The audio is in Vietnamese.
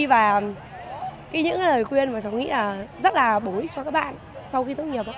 và những lời khuyên của cháu nghĩ là rất là bổ ích cho các bạn sau khi tốt nghiệp